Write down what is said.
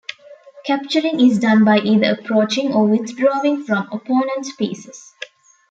Capturing is done by either approaching or withdrawing from opponent's pieces.